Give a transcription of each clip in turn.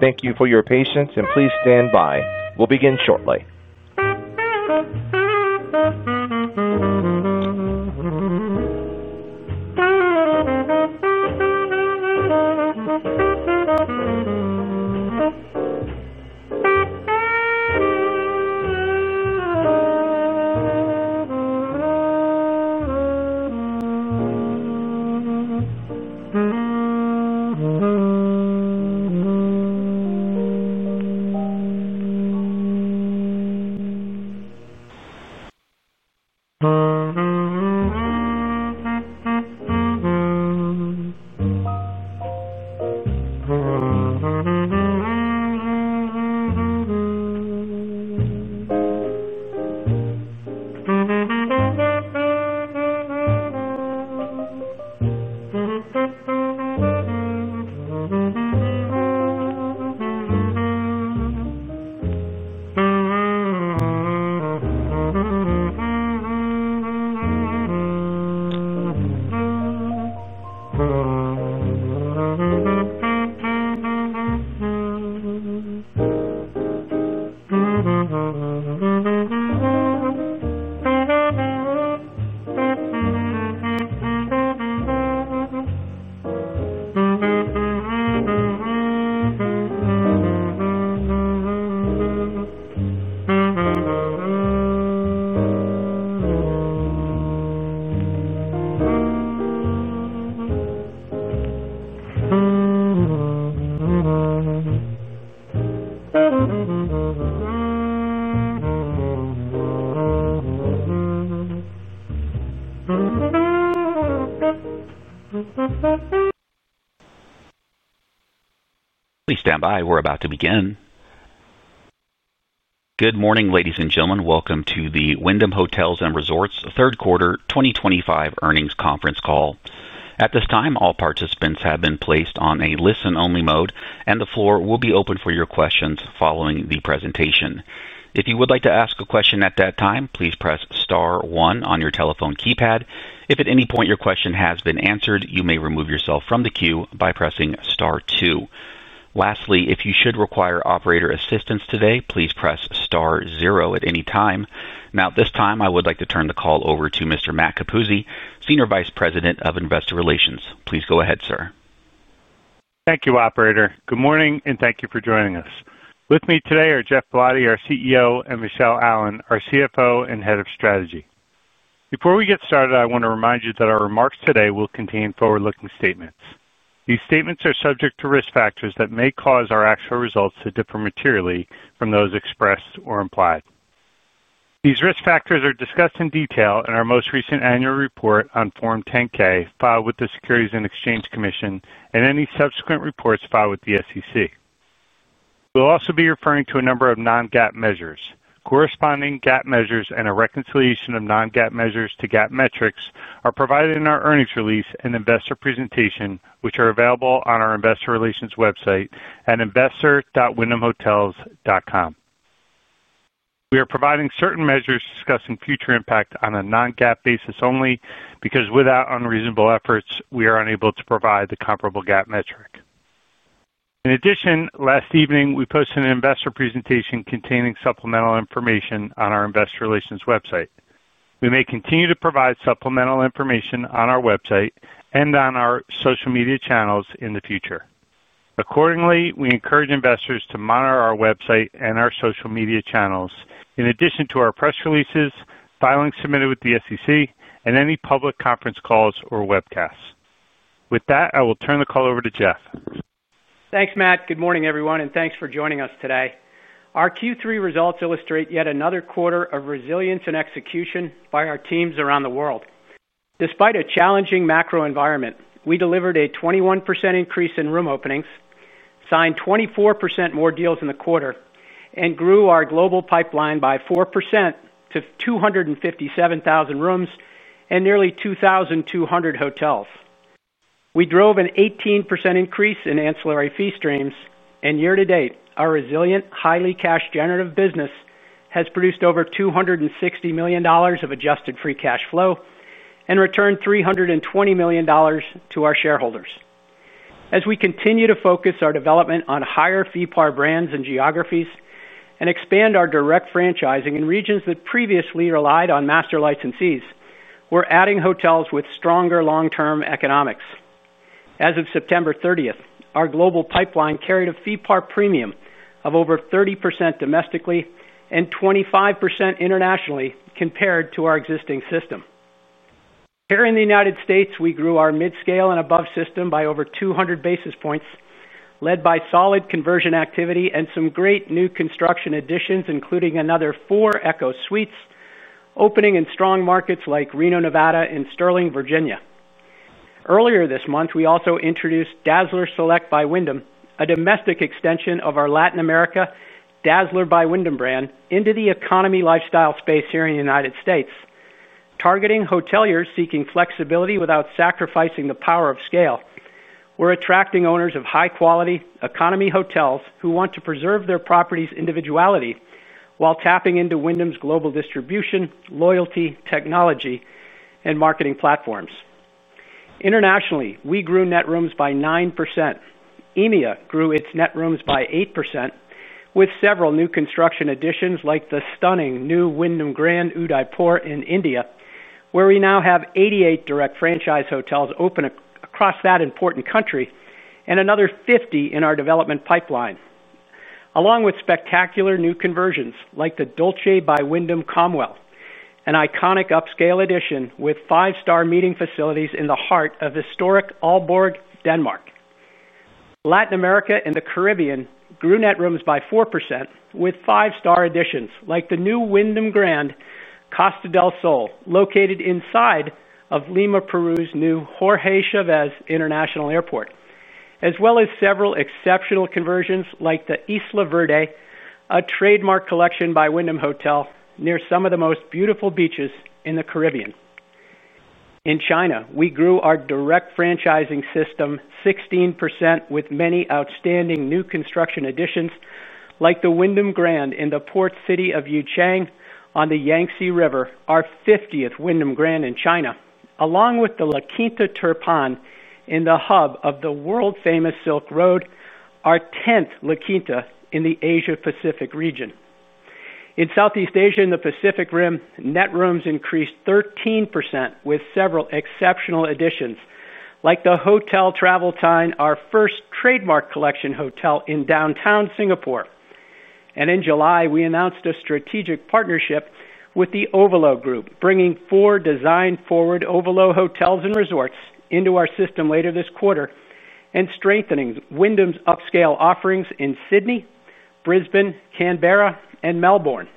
Thank you for your patience and please stand by. We'll begin shortly. Please stand by. We're about to begin. Good morning, ladies and gentlemen. Welcome to the Wyndham Hotels & Resorts third quarter 2025 earnings conference call. At this time, all participants have been placed on a listen-only mode, and the floor will be open for your questions following the presentation. If you would like to ask a question at that time, please press star one on your telephone keypad. If at any point your question has been answered, you may remove yourself from the queue by pressing star two. Lastly, if you should require operator assistance today, please press star zero at any time. Now, at this time, I would like to turn the call over to Mr. Matt Capuzzi, Senior Vice President of Investor Relations. Please go ahead, sir. Thank you, Operator. Good morning, and thank you for joining us. With me today are Geoff Ballotti, our CEO, and Michele Allen, our CFO and Head of Strategy. Before we get started, I want to remind you that our remarks today will contain forward-looking statements. These statements are subject to risk factors that may cause our actual results to differ materially from those expressed or implied. These risk factors are discussed in detail in our most recent annual report on Form 10-K filed with the Securities and Exchange Commission and any subsequent reports filed with the SEC. We'll also be referring to a number of non-GAAP measures. Corresponding GAAP measures and a reconciliation of non-GAAP measures to GAAP metrics are provided in our earnings release and investor presentation, which are available on our Investor Relations website at investor.wyndhamhotels.com. We are providing certain measures discussing future impact on a non-GAAP basis only because without unreasonable efforts, we are unable to provide the comparable GAAP metric. In addition, last evening, we posted an investor presentation containing supplemental information on our Investor Relations website. We may continue to provide supplemental information on our website and on our social media channels in the future. Accordingly, we encourage investors to monitor our website and our social media channels in addition to our press releases, filings submitted with the SEC, and any public conference calls or webcasts. With that, I will turn the call over to Geoff. Thanks, Matt. Good morning, everyone, and thanks for joining us today. Our Q3 results illustrate yet another quarter of resilience and execution by our teams around the world. Despite a challenging macro environment, we delivered a 21% increase in room openings, signed 24% more deals in the quarter, and grew our global pipeline by 4% to 257,000 rooms and nearly 2,200 hotels. We drove an 18% increase in ancillary fee streams, and year to date, our resilient, highly cash-generative business has produced over $260 million of adjusted free cash flow and returned $320 million to our shareholders. As we continue to focus our development on higher-fee-par brands and geographies and expand our direct franchising in regions that previously relied on master licensees, we're adding hotels with stronger long-term economics. As of September 30, our global pipeline carried a fee-par premium of over 30% domestically and 25% internationally compared to our existing system. Here in the United States, we grew our mid-scale and above system by over 200 basis points, led by solid conversion activity and some great new construction additions, including another four Echo Suites, opening in strong markets like Reno, Nevada, and Sterling, Virginia. Earlier this month, we also introduced Dazzler Select by Wyndham, a domestic extension of our Latin America Dazzler by Wyndham brand into the economy lifestyle space here in the United States, targeting hoteliers seeking flexibility without sacrificing the power of scale. We're attracting owners of high-quality economy hotels who want to preserve their properties' individuality while tapping into Wyndham's global distribution, loyalty, technology, and marketing platforms. Internationally, we grew net rooms by 9%. EMEA grew its net rooms by 8% with several new construction additions like the stunning new Wyndham Grand Udaipur in India, where we now have 88 direct franchise hotels open across that important country and another 50 in our development pipeline, along with spectacular new conversions like the Dolce by Wyndham Comwell, an iconic upscale addition with five-star meeting facilities in the heart of historic Aalborg, Denmark. Latin America and the Caribbean grew net rooms by 4% with five-star additions like the new Wyndham Grand Costa del Sol, located inside of Lima, Peru's new Jorge Chavez International Airport, as well as several exceptional conversions like the Isla Verde, a Trademark Collection by Wyndham hotel near some of the most beautiful beaches in the Caribbean. In China, we grew our direct franchising system 16% with many outstanding new construction additions like the Wyndham Grand in the port city of Yuchang on the Yangtze River, our 50th Wyndham Grand in China, along with the La Quinta Turpan in the hub of the world-famous Silk Road, our 10th La Quinta in the Asia-Pacific region. In Southeast Asia and the Pacific Rim, net rooms increased 13% with several exceptional additions like the Hotel Travel Tine, our first Trademark Collection hotel in downtown Singapore. In July, we announced a strategic partnership with the Ovolo Group, bringing four design-forward Ovolo Hotels & Resorts into our system later this quarter and strengthening Wyndham's upscale offerings in Sydney, Brisbane, Canberra, and Melbourne.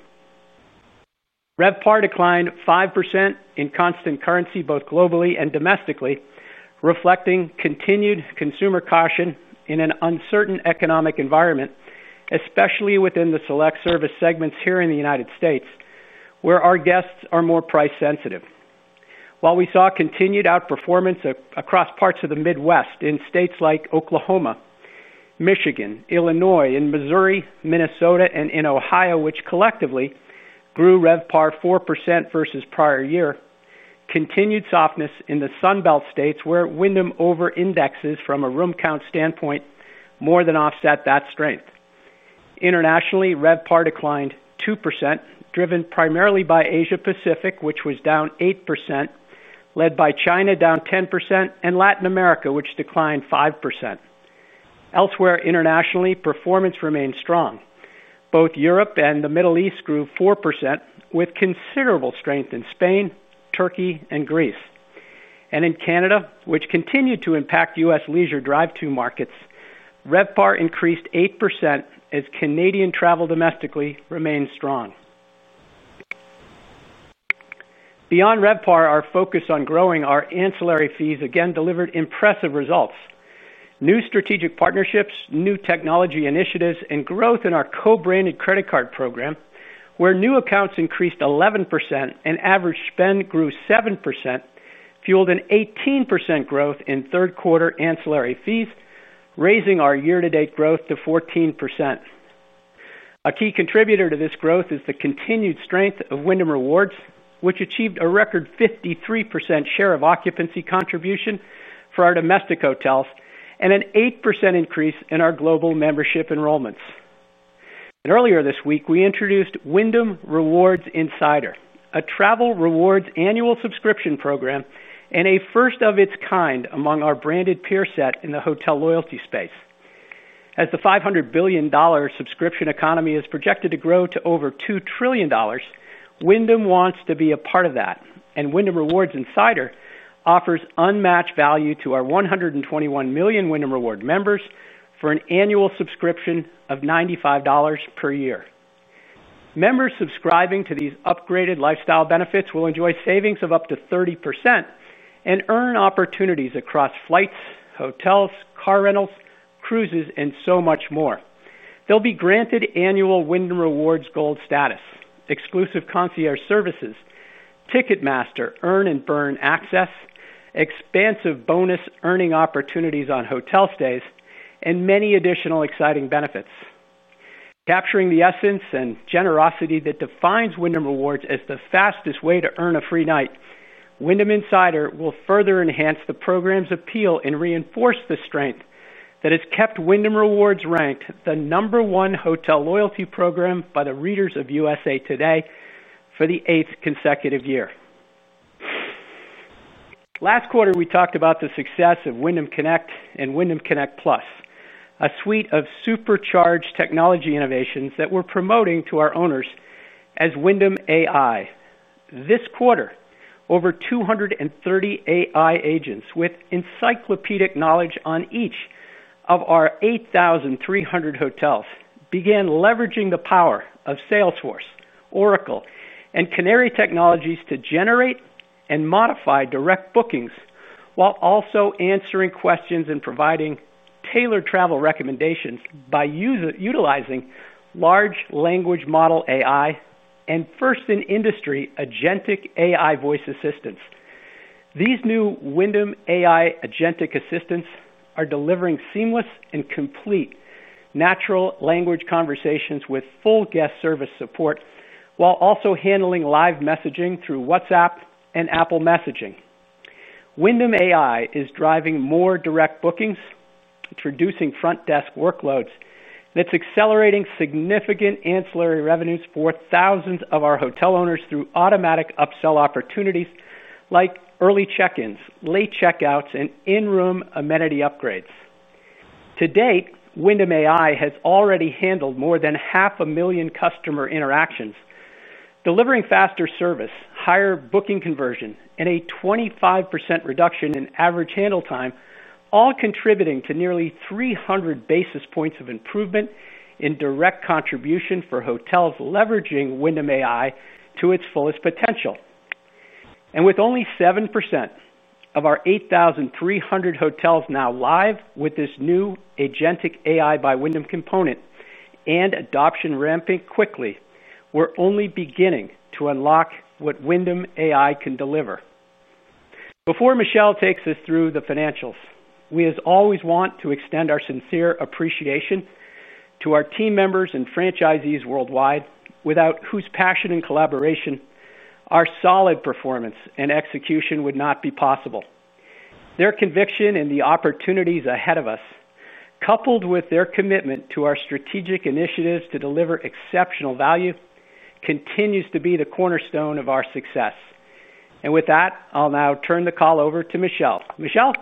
RevPAR declined 5% in constant currency, both globally and domestically, reflecting continued consumer caution in an uncertain economic environment, especially within the select service segments here in the U.S., where our guests are more price-sensitive. While we saw continued outperformance across parts of the Midwest in states like Oklahoma, Michigan, Illinois, Missouri, Minnesota, and Ohio, which collectively grew RevPAR 4% versus prior year, continued softness in the Sun Belt states, where Wyndham over-indexes from a room count standpoint, more than offset that strength. Internationally, RevPAR declined 2%, driven primarily by Asia-Pacific, which was down 8%, led by China down 10%, and Latin America, which declined 5%. Elsewhere internationally, performance remained strong. Europe and the Middle East grew 4% with considerable strength in Spain, Turkey, and Greece. In Canada, which continued to impact U.S. leisure drive-through markets, RevPAR increased 8% as Canadian travel domestically remained strong. Beyond RevPAR, our focus on growing our ancillary fees again delivered impressive results. New strategic partnerships, new technology initiatives, and growth in our co-branded credit card program, where new accounts increased 11% and average spend grew 7%, fueled an 18% growth in third quarter ancillary fees, raising our year-to-date growth to 14%. A key contributor to this growth is the continued strength of Wyndham Rewards, which achieved a record 53% share of occupancy contribution for our domestic hotels and an 8% increase in our global membership enrollments. Earlier this week, we introduced Wyndham Rewards Insider, a travel rewards annual subscription program and a first-of-its-kind among our branded peer set in the hotel loyalty space. As the $500 billion subscription economy is projected to grow to over $2 trillion, Wyndham wants to be a part of that, and Wyndham Rewards Insider offers unmatched value to our 121 million Wyndham Rewards members for an annual subscription of $95 per year. Members subscribing to these upgraded lifestyle benefits will enjoy savings of up to 30% and earn opportunities across flights, hotels, car rentals, cruises, and so much more. They'll be granted annual Wyndham Rewards Gold status, exclusive concierge services, Ticketmaster Earn & Burn access, expansive bonus earning opportunities on hotel stays, and many additional exciting benefits. Capturing the essence and generosity that defines Wyndham Rewards as the fastest way to earn a free night, Wyndham Insider will further enhance the program's appeal and reinforce the strength that has kept Wyndham Rewards ranked the number one hotel loyalty program by the readers of USA Today for the eighth consecutive year. Last quarter, we talked about the success of Wyndham Connect and Wyndham Connect Plus, a suite of supercharged technology innovations that we're promoting to our owners as Wyndham AI. This quarter, over 230 AI agents with encyclopedic knowledge on each of our 8,300 hotels began leveraging the power of Salesforce, Oracle, and Canary Technologies to generate and modify direct bookings while also answering questions and providing tailored travel recommendations by utilizing large language model AI and first-in-industry agentic AI voice assistants. These new Wyndham AI agentic assistants are delivering seamless and complete natural language conversations with full guest service support while also handling live messaging through WhatsApp and Apple Messaging. Wyndham AI is driving more direct bookings, introducing front desk workloads that are accelerating significant ancillary revenues for thousands of our hotel owners through automatic upsell opportunities like early check-ins, late checkouts, and in-room amenity upgrades. To date, Wyndham AI has already handled more than half a million customer interactions, delivering faster service, higher booking conversion, and a 25% reduction in average handle time, all contributing to nearly 300 basis points of improvement in direct contribution for hotels leveraging Wyndham AI to its fullest potential. With only 7% of our 8,300 hotels now live with this new agentic AI by Wyndham component and adoption ramping quickly, we're only beginning to unlock what Wyndham AI can deliver. Before Michele takes us through the financials, we as always want to extend our sincere appreciation to our team members and franchisees worldwide, without whose passion and collaboration our solid performance and execution would not be possible. Their conviction in the opportunities ahead of us, coupled with their commitment to our strategic initiatives to deliver exceptional value, continues to be the cornerstone of our success. With that, I'll now turn the call over to Michele. Michele?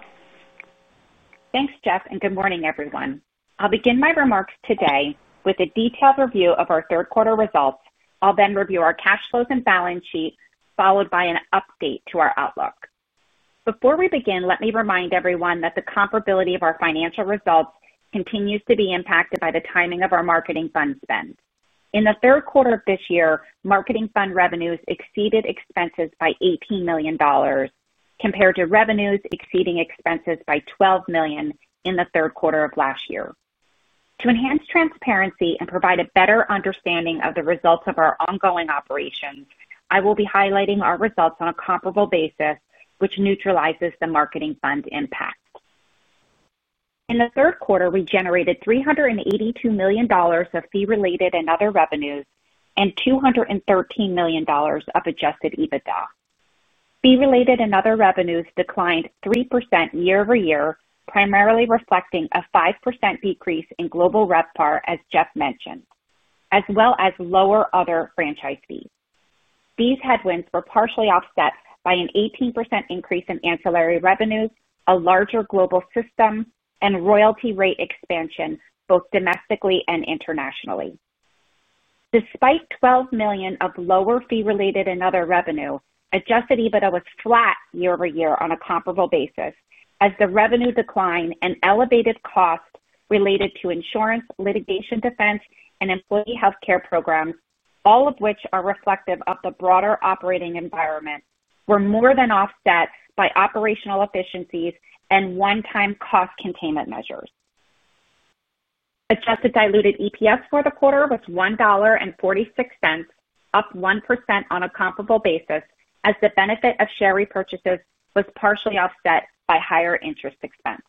Thanks, Geoff, and good morning, everyone. I'll begin my remarks today with a detailed review of our third quarter results. I'll then review our cash flows and balance sheet, followed by an update to our outlook. Before we begin, let me remind everyone that the comparability of our financial results continues to be impacted by the timing of our marketing fund spend. In the third quarter of this year, marketing fund revenues exceeded expenses by $18 million compared to revenues exceeding expenses by $12 million in the third quarter of last year. To enhance transparency and provide a better understanding of the results of our ongoing operations, I will be highlighting our results on a comparable basis, which neutralizes the marketing fund impact. In the third quarter, we generated $382 million of fee-related and other revenues and $213 million of adjusted EBITDA. Fee-related and other revenues declined 3% year over year, primarily reflecting a 5% decrease in global RevPAR, as Geoff mentioned, as well as lower other franchise fees. These headwinds were partially offset by an 18% increase in ancillary revenues, a larger global system, and royalty rate expansion, both domestically and internationally. Despite $12 million of lower fee-related and other revenue, adjusted EBITDA was flat year over year on a comparable basis as the revenue decline and elevated costs related to insurance, litigation defense, and employee health care programs, all of which are reflective of the broader operating environment, were more than offset by operational efficiencies and one-time cost containment measures. Adjusted diluted EPS for the quarter was $1.46, up 1% on a comparable basis, as the benefit of share repurchases was partially offset by higher interest expense.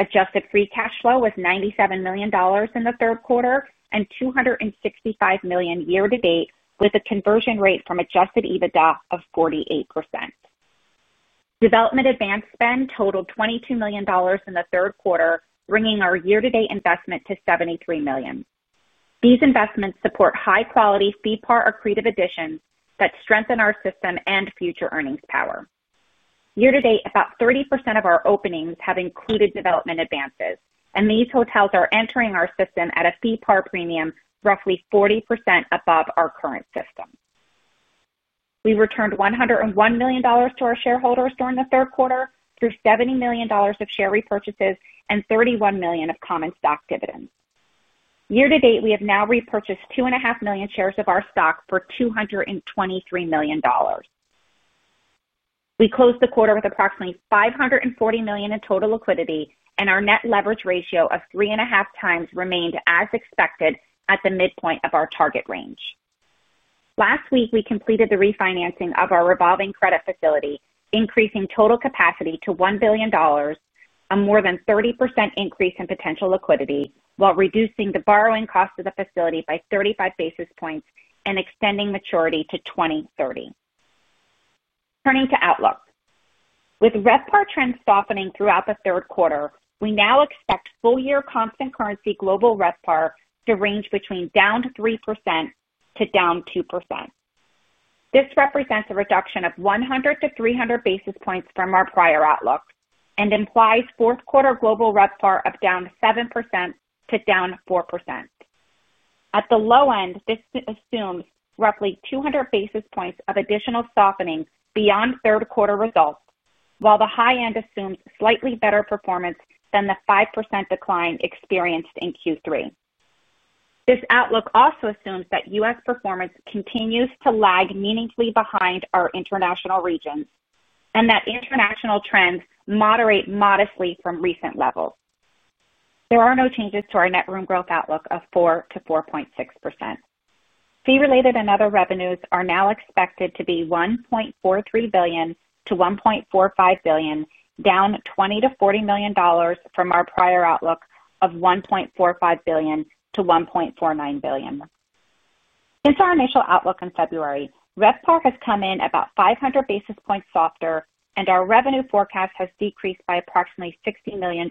Adjusted free cash flow was $97 million in the third quarter and $265 million year to date, with a conversion rate from adjusted EBITDA of 48%. Development advance spend totaled $22 million in the third quarter, bringing our year-to-date investment to $73 million. These investments support high-quality fee-par accretive additions that strengthen our system and future earnings power. Year to date, about 30% of our openings have included development advances, and these hotels are entering our system at a fee-par premium roughly 40% above our current system. We returned $101 million to our shareholders during the third quarter through $70 million of share repurchases and $31 million of common stock dividends. Year to date, we have now repurchased 2.5 million shares of our stock for $223 million. We closed the quarter with approximately $540 million in total liquidity, and our net leverage ratio of 3.5 times remained as expected at the midpoint of our target range. Last week, we completed the refinancing of our revolving credit facility, increasing total capacity to $1 billion, a more than 30% increase in potential liquidity, while reducing the borrowing cost of the facility by 35 basis points and extending maturity to 2030. Turning to outlook, with RevPAR trends softening throughout the third quarter, we now expect full-year constant currency global RevPAR to range between down 3% to down 2%. This represents a reduction of 100-300 basis points from our prior outlook and implies fourth quarter global RevPAR of down 7% to down 4%. At the low end, this assumes roughly 200 basis points of additional softening beyond third quarter results, while the high end assumes slightly better performance than the 5% decline experienced in Q3. This outlook also assumes that U.S. performance continues to lag meaningfully behind our international regions and that international trends moderate modestly from recent levels. There are no changes to our net room growth outlook of 4%-4.6%. Fee-related and other revenues are now expected to be $1.43 billion-$1.45 billion, down $20 million-$40 million from our prior outlook of $1.45 billion-$1.49 billion. Since our initial outlook in February, RevPAR has come in about 500 basis points softer, and our revenue forecast has decreased by approximately $60 million.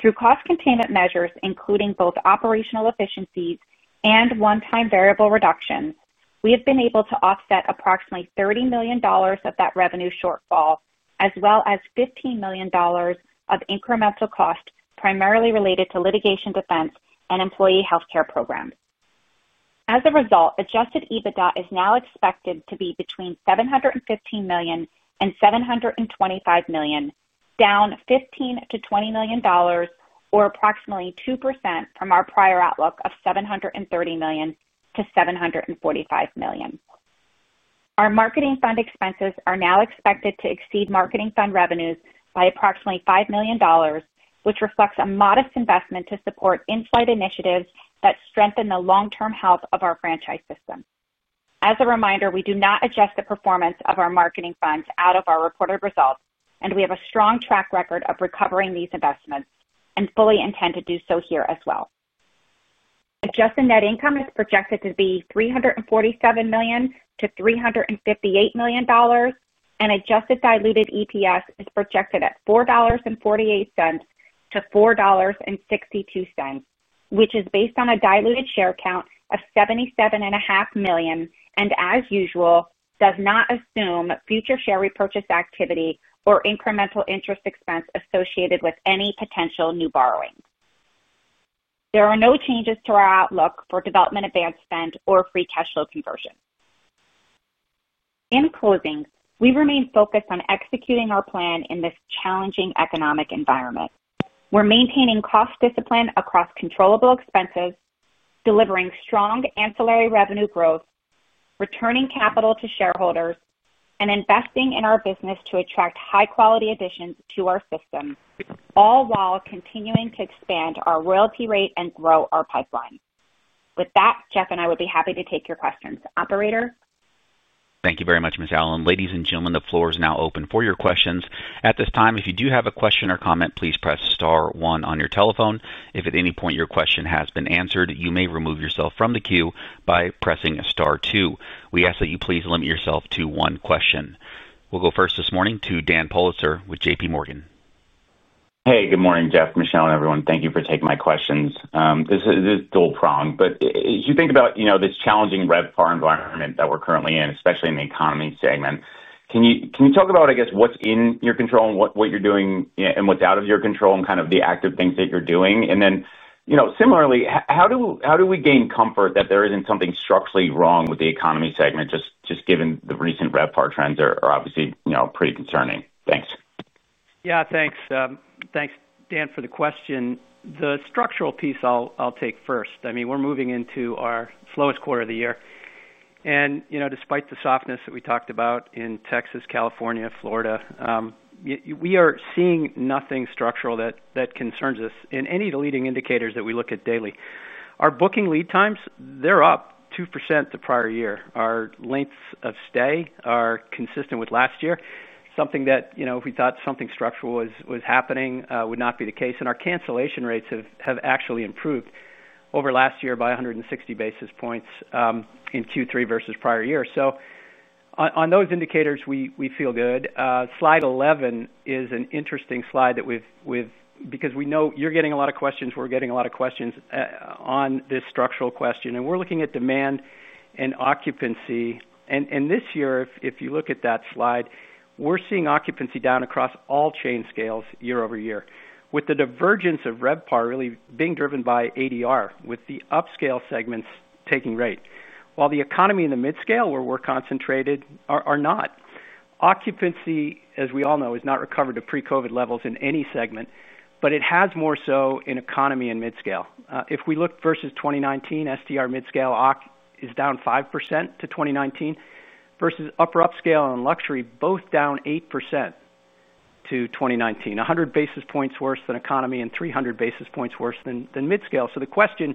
Through cost containment measures, including both operational efficiencies and one-time variable reductions, we have been able to offset approximately $30 million of that revenue shortfall, as well as $15 million of incremental costs primarily related to litigation defense and employee health care programs. As a result, adjusted EBITDA is now expected to be between $715 million and $725 million, down $15 million-$20 million, or approximately 2% from our prior outlook of $730 million-$745 million. Our marketing fund expenses are now expected to exceed marketing fund revenues by approximately $5 million, which reflects a modest investment to support in-flight initiatives that strengthen the long-term health of our franchise system. As a reminder, we do not adjust the performance of our marketing funds out of our reported results, and we have a strong track record of recovering these investments and fully intend to do so here as well. Adjusted net income is projected to be $347 million-$358 million, and adjusted diluted EPS is projected at $4.48-$4.62, which is based on a diluted share count of 77.5 million and, as usual, does not assume future share repurchase activity or incremental interest expense associated with any potential new borrowings. There are no changes to our outlook for development advance spend or free cash flow conversion. In closing, we remain focused on executing our plan in this challenging economic environment. We're maintaining cost discipline across controllable expenses, delivering strong ancillary revenue growth, returning capital to shareholders, and investing in our business to attract high-quality additions to our system, all while continuing to expand our royalty rate and grow our pipeline. With that, Geoff and I would be happy to take your questions. Operator? Thank you very much, Michele Allen. Ladies and gentlemen, the floor is now open for your questions. At this time, if you do have a question or comment, please press star one on your telephone. If at any point your question has been answered, you may remove yourself from the queue by pressing star two. We ask that you please limit yourself to one question. We'll go first this morning to Dan Politzer with J.P. Morgan. Hey, good morning, Geoff, Michele, and everyone. Thank you for taking my questions. This is dual-pronged, but as you think about this challenging RevPAR environment that we're currently in, especially in the economy segment, can you talk about what's in your control and what you're doing and what's out of your control and the active things that you're doing? Similarly, how do we gain comfort that there isn't something structurally wrong with the economy segment, just given the recent RevPAR trends are obviously pretty concerning? Thanks. Yeah, thanks. Thanks, Dan, for the question. The structural piece I'll take first. We're moving into our slowest quarter of the year. Despite the softness that we talked about in Texas, California, Florida, we are seeing nothing structural that concerns us in any of the leading indicators that we look at daily. Our booking lead times, they're up 2% the prior year. Our lengths of stay are consistent with last year, something that if we thought something structural was happening, would not be the case. Our cancellation rates have actually improved over last year by 160 basis points in Q3 versus prior year. On those indicators, we feel good. Slide 11 is an interesting slide because we know you're getting a lot of questions, we're getting a lot of questions on this structural question. We're looking at demand and occupancy. This year, if you look at that slide, we're seeing occupancy down across all chain scales year over year, with the divergence of RevPAR really being driven by ADR, with the upscale segments taking rate, while the economy in the mid-scale where we're concentrated are not. Occupancy, as we all know, has not recovered to pre-COVID levels in any segment, but it has more so in economy and mid-scale. If we look versus 2019, STR mid-scale is down 5% to 2019, versus upper upscale and luxury both down 8% to 2019, 100 basis points worse than economy and 300 basis points worse than mid-scale. The question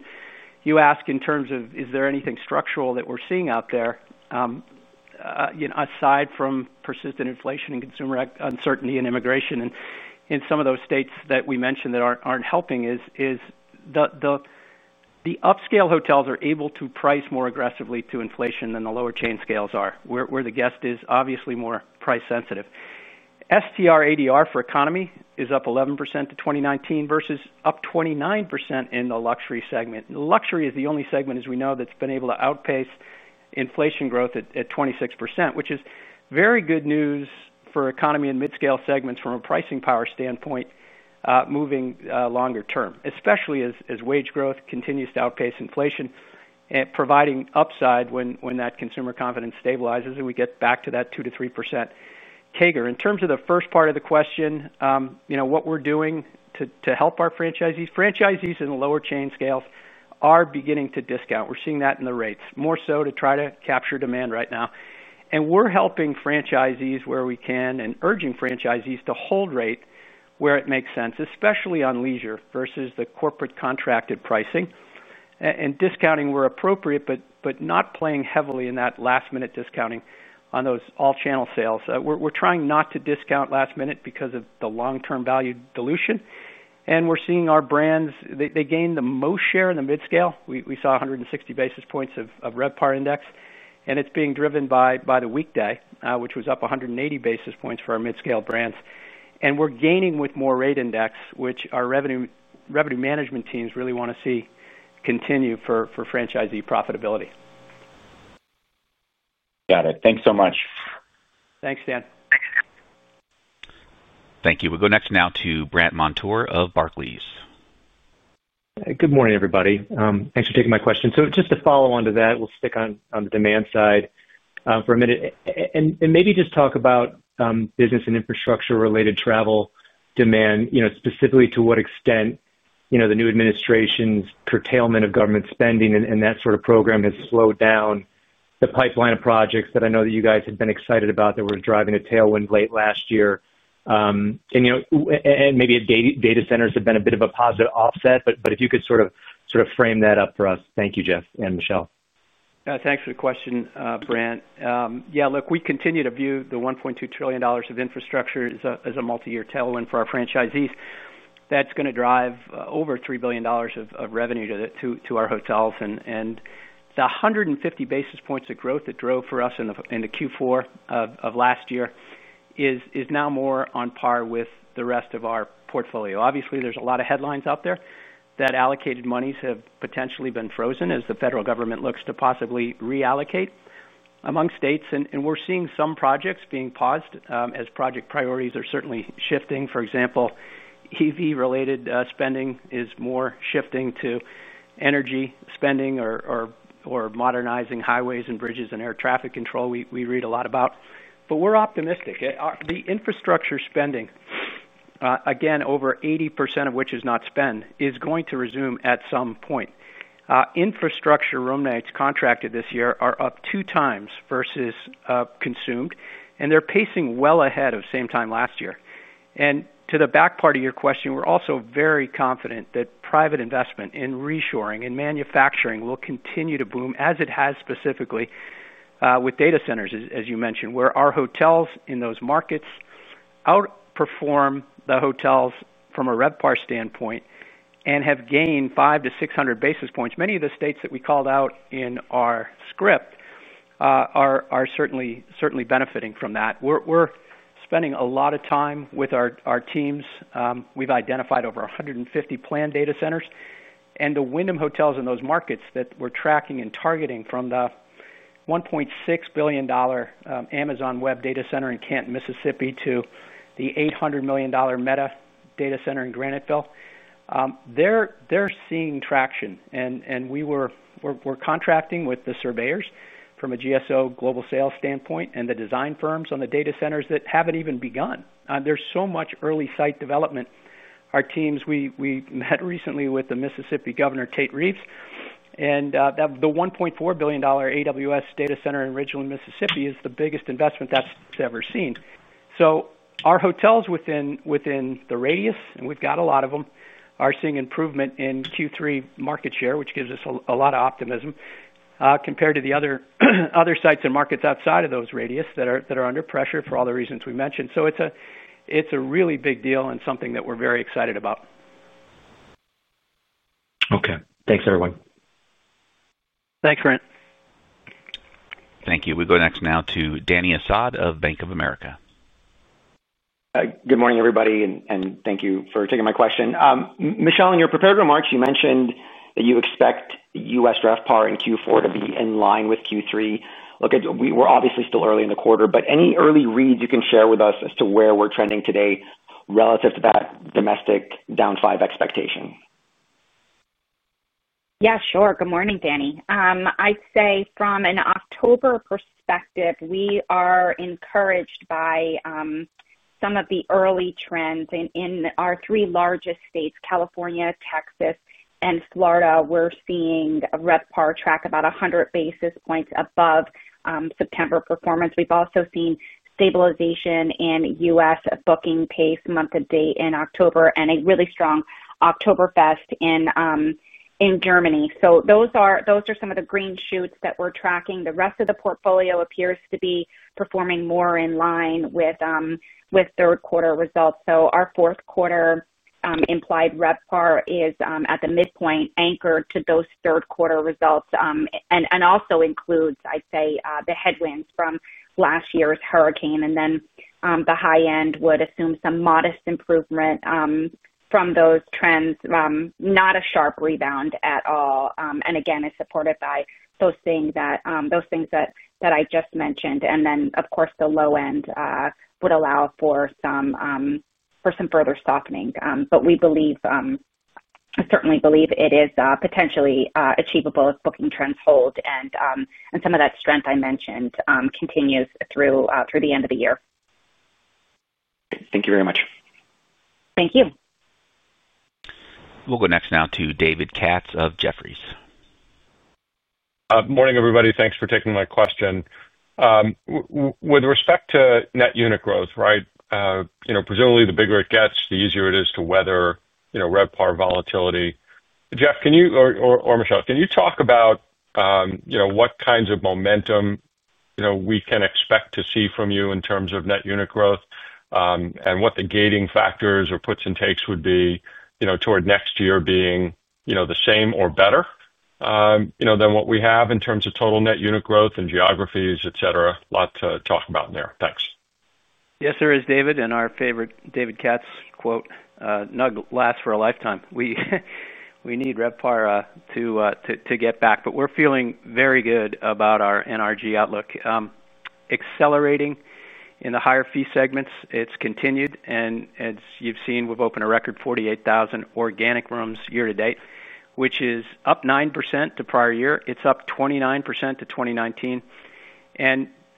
you ask in terms of is there anything structural that we're seeing out there, aside from persistent inflation and consumer uncertainty and immigration in some of those states that we mentioned that aren't helping, is the upscale hotels are able to price more aggressively to inflation than the lower chain scales are, where the guest is obviously more price-sensitive. STR ADR for economy is up 11% to 2019 versus up 29% in the luxury segment. Luxury is the only segment, as we know, that's been able to outpace inflation growth at 26%, which is very good news for economy and mid-scale segments from a pricing power standpoint, moving longer term, especially as wage growth continues to outpace inflation and providing upside when that consumer confidence stabilizes and we get back to that 2%-3% CAGR. In terms of the first part of the question, what we're doing to help our franchisees, franchisees in the lower chain scales are beginning to discount. We're seeing that in the rates, more so to try to capture demand right now. We are helping franchisees where we can and urging franchisees to hold rate where it makes sense, especially on leisure versus the corporate contracted pricing and discounting where appropriate, but not playing heavily in that last-minute discounting on those all-channel sales. We are trying not to discount last minute because of the long-term value dilution. We are seeing our brands gain the most share in the mid-scale. We saw 160 basis points of RevPAR index, and it is being driven by the weekday, which was up 180 basis points for our mid-scale brands. We are gaining with more rate index, which our revenue management teams really want to see continue for franchisee profitability. Got it. Thanks so much. Thanks, Dan. Thank you. We'll go next now to Brandt Montour of Barclays. Good morning, everybody. Thanks for taking my question. Just to follow on to that, we'll stick on the demand side for a minute and maybe just talk about business and infrastructure-related travel demand, specifically to what extent the new administration's curtailment of government spending and that sort of program has slowed down the pipeline of projects that I know that you guys had been excited about that were driving a tailwind late last year. Maybe data centers have been a bit of a positive offset, but if you could sort of frame that up for us. Thank you, Geoff and Michele. Thanks for the question, Brandt. Yeah, look, we continue to view the $1.2 trillion of infrastructure as a multi-year tailwind for our franchisees. That's going to drive over $3 billion of revenue to our hotels. The 150 basis points of growth that drove for us in the Q4 of last year is now more on par with the rest of our portfolio. Obviously, there's a lot of headlines out there that allocated monies have potentially been frozen as the federal government looks to possibly reallocate among states. We're seeing some projects being paused as project priorities are certainly shifting. For example, EV-related spending is more shifting to energy spending or modernizing highways and bridges and air traffic control we read a lot about. We're optimistic. The infrastructure spending, again, over 80% of which is not spent, is going to resume at some point. Infrastructure room nights contracted this year are up two times versus consumed, and they're pacing well ahead of same time last year. To the back part of your question, we're also very confident that private investment in reshoring and manufacturing will continue to boom, as it has specifically with data centers, as you mentioned, where our hotels in those markets outperform the hotels from a RevPAR standpoint and have gained 500-600 basis points. Many of the states that we called out in our script are certainly benefiting from that. We're spending a lot of time with our teams. We've identified over 150 planned data centers. The Wyndham hotels in those markets that we're tracking and targeting from the $1.6 billion Amazon Web data center in Canton, Mississippi, to the $800 million Meta data center in Graniteville, they're seeing traction. We're contracting with the surveyors from a GSO global sales standpoint and the design firms on the data centers that haven't even begun. There's so much early site development. Our teams, we met recently with the Mississippi Governor, Tate Reeves, and the $1.4 billion AWS data center in Richland, Mississippi, is the biggest investment that's ever seen. Our hotels within the radius, and we've got a lot of them, are seeing improvement in Q3 market share, which gives us a lot of optimism compared to the other sites and markets outside of those radius that are under pressure for all the reasons we mentioned. It's a really big deal and something that we're very excited about. Okay, thanks, everyone. Thanks, Brant. Thank you. We go next now to Dany Asad of Bank of America. Good morning, everybody, and thank you for taking my question. Michele, in your prepared remarks, you mentioned that you expect U.S. RevPAR in Q4 to be in line with Q3. We're obviously still early in the quarter, but any early reads you can share with us as to where we're trending today relative to that domestic down 5% expectation? Yeah, sure. Good morning, Dany. I'd say from an October perspective, we are encouraged by some of the early trends in our three largest states: California, Texas, and Florida. We're seeing RevPAR track about 100 basis points above September performance. We've also seen stabilization in U.S. booking pace month to date in October and a really strong Oktoberfest in Germany. Those are some of the green shoots that we're tracking. The rest of the portfolio appears to be performing more in line with third quarter results. Our fourth quarter implied RevPAR is at the midpoint anchored to those third quarter results and also includes, I'd say, the headwinds from last year's hurricane. The high end would assume some modest improvement from those trends, not a sharp rebound at all. Again, it's supported by those things that I just mentioned. Of course, the low end would allow for some further softening. We certainly believe it is potentially achievable if booking trends hold and some of that strength I mentioned continues through the end of the year. Thank you very much. Thank you. We'll go next to David Katz of Jefferies. Morning, everybody. Thanks for taking my question. With respect to net unit growth, right, presumably the bigger it gets, the easier it is to weather RevPAR volatility. Geoff or Michele, can you talk about what kinds of momentum we can expect to see from you in terms of net unit growth and what the gating factors or puts and takes would be toward next year being the same or better than what we have in terms of total net unit growth and geographies, etc. A lot to talk about in there. Thanks. Yes, there is David and our favorite David Katz quote, "Nug lasts for a lifetime." We need RevPAR to get back. We're feeling very good about our NRG outlook. Accelerating in the higher fee segments, it's continued. As you've seen, we've opened a record 48,000 organic rooms year to date, which is up 9% to prior year. It's up 29% to 2019.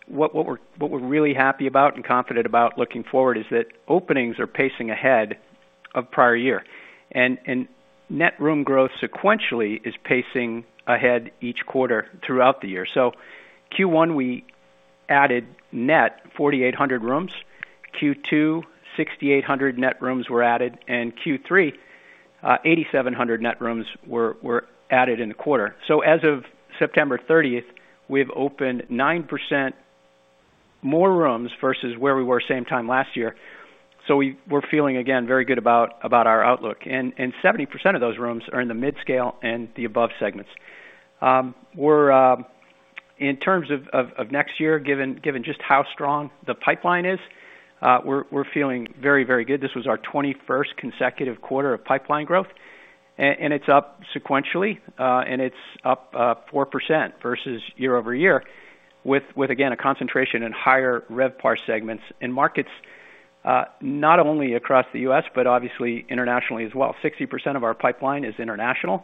What we're really happy about and confident about looking forward is that openings are pacing ahead of prior year, and net room growth sequentially is pacing ahead each quarter throughout the year. Q1, we added net 4,800 rooms. Q2, 6,800 net rooms were added. Q3, 8,700 net rooms were added in the quarter. As of September 30th, we've opened 9% more rooms versus where we were same time last year. We're feeling, again, very good about our outlook. 70% of those rooms are in the mid-scale and the above segments. In terms of next year, given just how strong the pipeline is, we're feeling very, very good. This was our 21st consecutive quarter of pipeline growth. It's up sequentially, and it's up 4% versus year over year with, again, a concentration in higher RevPAR segments in markets, not only across the U.S., but obviously internationally as well. 60% of our pipeline is international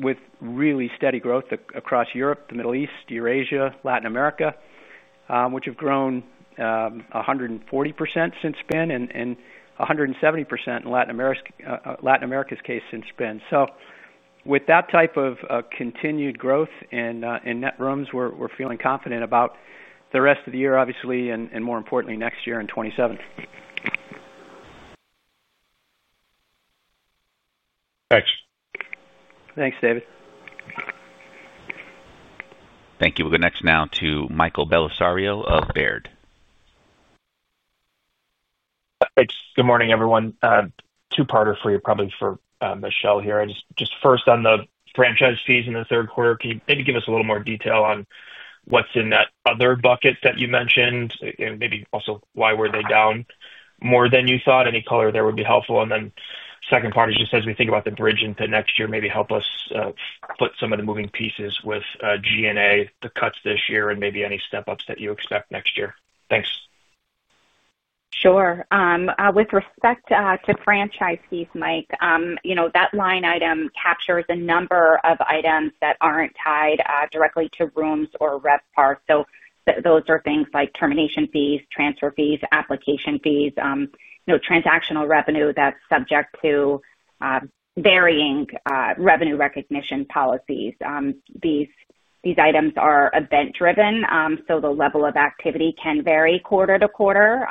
with really steady growth across Europe, the Middle East, Eurasia, Latin America, which have grown 140% since then and 170% in Latin America's case since then. With that type of continued growth in net rooms, we're feeling confident about the rest of the year, obviously, and more importantly, next year in 2027. Thanks. Thanks, David. Thank you. We'll go next now to Michael Bellisario of Baird. Good morning, everyone. Two-parter for you, probably for Michele here. Just first on the franchise fees in the third quarter, can you maybe give us a little more detail on what's in that other bucket that you mentioned, and maybe also why were they down more than you thought? Any color there would be helpful. The second part is just as we think about the bridge into next year, maybe help us put some of the moving pieces with G&A, the cuts this year, and maybe any step-ups that you expect next year. Thanks. Sure. With respect to franchise fees, Mike, you know that line item captures a number of items that aren't tied directly to rooms or RevPAR. Those are things like termination fees, transfer fees, application fees, transactional revenue that's subject to varying revenue recognition policies. These items are event-driven, so the level of activity can vary quarter to quarter.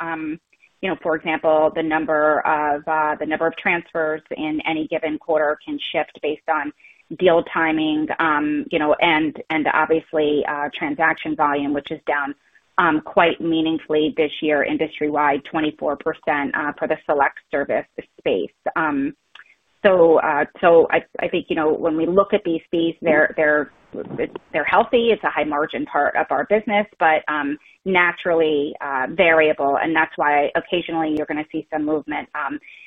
For example, the number of transfers in any given quarter can shift based on deal timing and obviously transaction volume, which is down quite meaningfully this year industry-wide, 24% for the select service space. I think when we look at these fees, they're healthy. It's a high margin part of our business, but naturally variable. That's why occasionally you're going to see some movement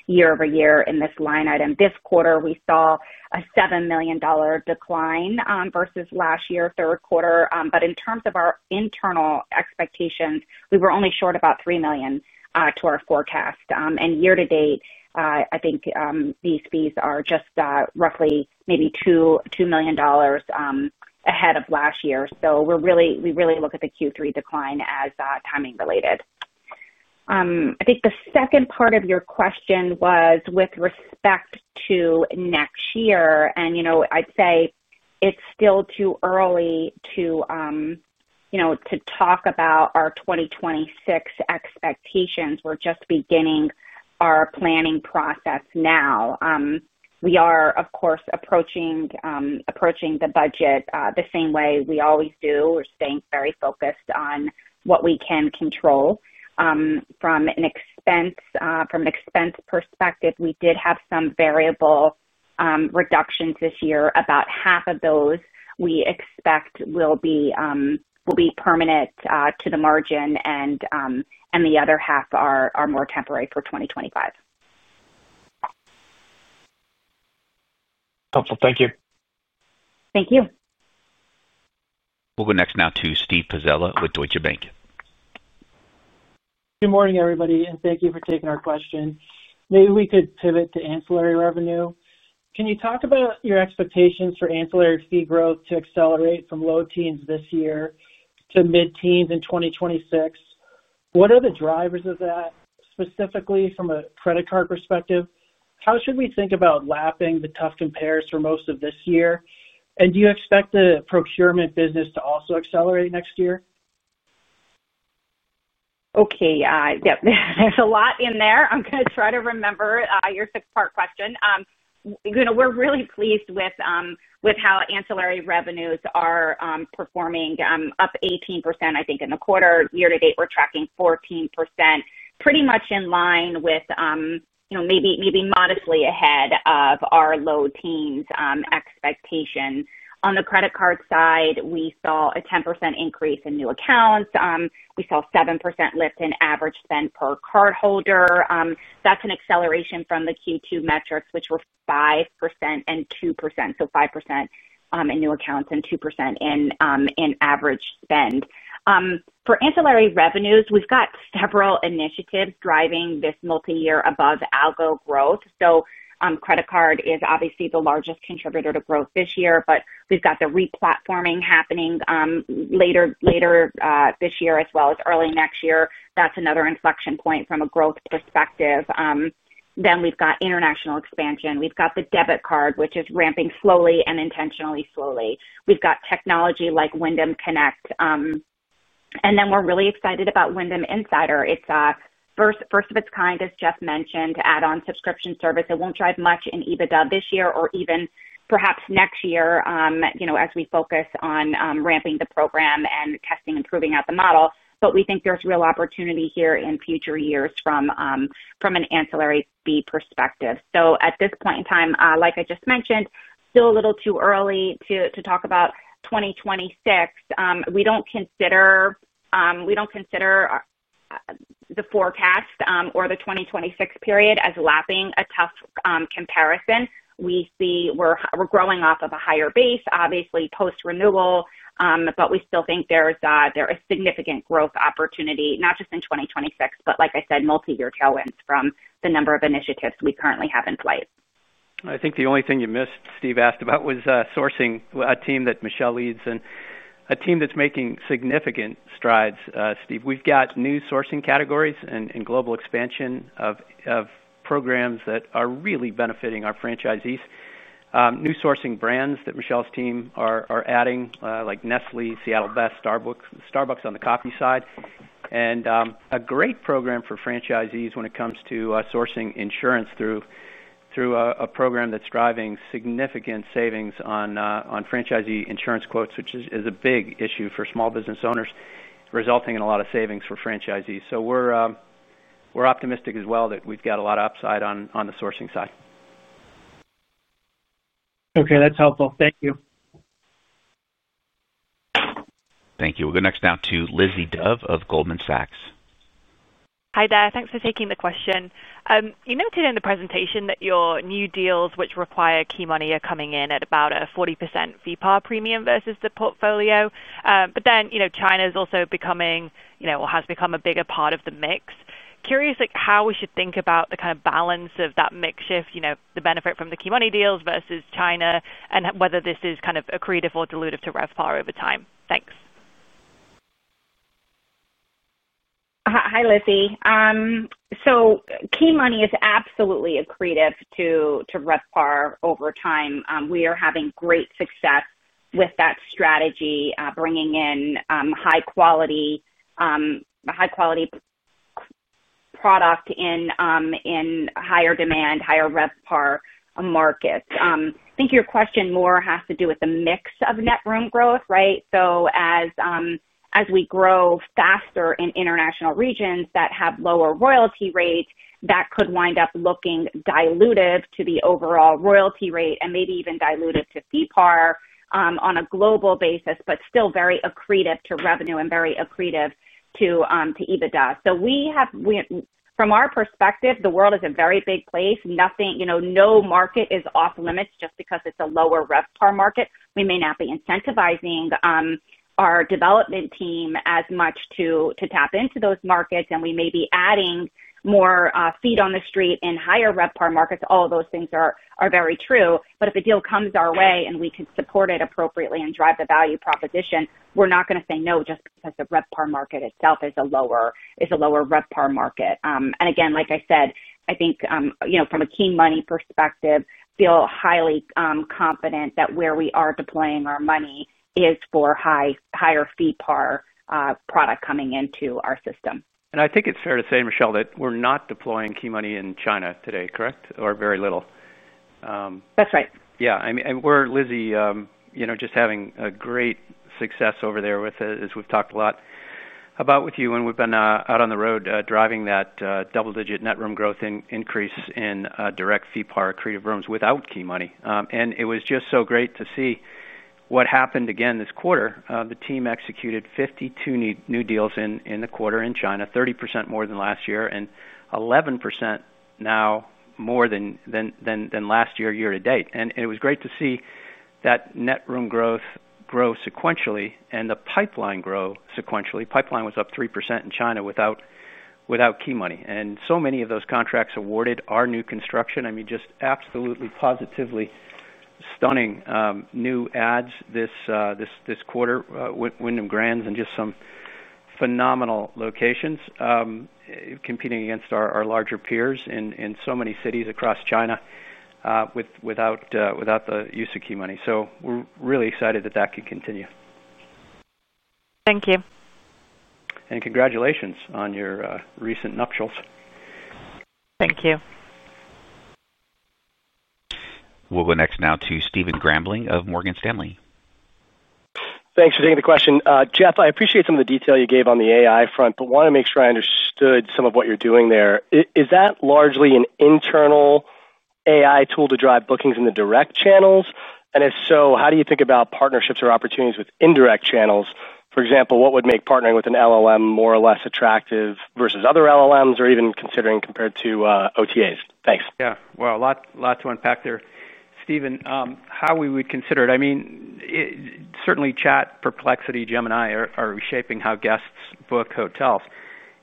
year over year in this line item. This quarter, we saw a $7 million decline versus last year's third quarter. In terms of our internal expectations, we were only short about $3 million to our forecast. Year to date, I think these fees are just roughly maybe $2 million ahead of last year. We really look at the Q3 decline as timing-related. I think the second part of your question was with respect to next year. I'd say it's still too early to talk about our 2026 expectations. We're just beginning our planning process now. We are, of course, approaching the budget the same way we always do. We're staying very focused on what we can control. From an expense perspective, we did have some variable reductions this year. About half of those we expect will be permanent to the margin, and the other half are more temporary for 2025. Helpful. Thank you. Thank you. We'll go next now to Steven Pizzella with Deutsche Bank. Good morning, everybody. Thank you for taking our question. Maybe we could pivot to ancillary revenue. Can you talk about your expectations for ancillary fee growth to accelerate from low teens this year to mid-teens in 2026? What are the drivers of that specifically from a credit card perspective? How should we think about lapping the tough compares for most of this year? Do you expect the procurement business to also accelerate next year? Okay. Yeah, there's a lot in there. I'm going to try to remember your six-part question. You know we're really pleased with how ancillary revenues are performing, up 18% in the quarter. Year to date, we're tracking 14%, pretty much in line with, you know, maybe modestly ahead of our low teens expectation. On the credit card side, we saw a 10% increase in new accounts. We saw 7% lift in average spend per cardholder. That's an acceleration from the Q2 metrics, which were 5% and 2%—so 5% in new accounts and 2% in average spend. For ancillary revenues, we've got several initiatives driving this multi-year above algo growth. Credit card is obviously the largest contributor to growth this year, but we've got the replatforming happening later this year as well as early next year. That's another inflection point from a growth perspective. We've got international expansion. We've got the debit card, which is ramping slowly and intentionally slowly. We've got technology like Wyndham Connect. We're really excited about Wyndham Insider. It's a first of its kind, as Geoff Ballotti mentioned, to add-on subscription service. It won't drive much in EBITDA this year or even perhaps next year as we focus on ramping the program and testing and proving out the model. We think there's real opportunity here in future years from an ancillary fee perspective. At this point in time, like I just mentioned, still a little too early to talk about 2026. We don't consider the forecast or the 2026 period as lapping a tough comparison. We see we're growing off of a higher base, obviously, post-renewal, but we still think there is significant growth opportunity, not just in 2026, but like I said, multi-year tailwinds from the number of initiatives we currently have in play. I think the only thing you missed, Steve asked about, was sourcing, a team that Michele leads, and a team that's making significant strides, Steve. We've got new sourcing categories and global expansion of programs that are really benefiting our franchisees. New sourcing brands that Michele's team are adding, like Nestlé, Seattle's Best, Starbucks on the coffee side, and a great program for franchisees when it comes to sourcing insurance through a program that's driving significant savings on franchisee insurance quotes, which is a big issue for small business owners, resulting in a lot of savings for franchisees. We are optimistic as well that we've got a lot of upside on the sourcing side. Okay, that's helpful. Thank you. Thank you. We'll go next now to Lizzie Dove of Goldman Sachs. Hi there. Thanks for taking the question. You noted in the presentation that your new deals, which require key money, are coming in at about a 40% fee-par premium versus the portfolio. China is also becoming, or has become, a bigger part of the mix. Curious how we should think about the kind of balance of that mix shift, the benefit from the key money deals versus China, and whether this is kind of accretive or dilutive to RevPAR over time. Thanks. Hi, Lizzie. Key money is absolutely accretive to RevPAR over time. We are having great success with that strategy, bringing in high-quality product in higher demand, higher RevPAR markets. I think your question more has to do with the mix of net room growth, right? As we grow faster in international regions that have lower royalty rates, that could wind up looking dilutive to the overall royalty rate and maybe even dilutive to fee-par on a global basis, but still very accretive to revenue and very accretive to EBITDA. From our perspective, the world is a very big place. Nothing, you know, no market is off-limits just because it's a lower RevPAR market. We may not be incentivizing our development team as much to tap into those markets, and we may be adding more feet on the street in higher RevPAR markets. All of those things are very true. If a deal comes our way and we can support it appropriately and drive the value proposition, we're not going to say no just because the RevPAR market itself is a lower RevPAR market. Again, like I said, I think from a key money perspective, feel highly confident that where we are deploying our money is for higher fee-par product coming into our system. I think it's fair to say, Michele, that we're not deploying key money in China today, correct? Or very little. That's right. Yeah. We're, Lizzie, you know, just having a great success over there with it, as we've talked a lot about with you when we've been out on the road driving that double-digit net room growth increase in direct fee-par accretive rooms without key money. It was just so great to see what happened again this quarter. The team executed 52 new deals in the quarter in China, 30% more than last year, and 11% now more than last year, year to date. It was great to see that net room growth grow sequentially and the pipeline grow sequentially. Pipeline was up 3% in China without key money. So many of those contracts awarded are new construction. I mean, just absolutely, positively stunning new adds this quarter, Wyndham Grands and just some phenomenal locations competing against our larger peers in so many cities across China without the use of key money. We're really excited that that could continue. Thank you. Congratulations on your recent nuptials. Thank you. We'll go next to Stephen Grambling of Morgan Stanley. Thanks for taking the question. Geoff, I appreciate some of the detail you gave on the AI front, but want to make sure I understood some of what you're doing there. Is that largely an internal AI tool to drive bookings in the direct channels? If so, how do you think about partnerships or opportunities with indirect channels? For example, what would make partnering with an LLM more or less attractive versus other LLMs or even considering compared to OTAs? Thanks. Yeah. A lot to unpack there. Stephen, how we would consider it. I mean, certainly Chat, Perplexity, Gemini are reshaping how guests book hotels.